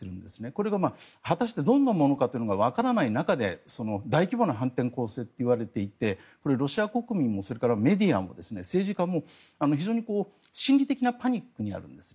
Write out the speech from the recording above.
これが果たしてどんなものかというのがわからない中で大規模な反転攻勢といわれていてロシア国民もそれからメディアも、政治家も非常に心理的なパニックにあるんです。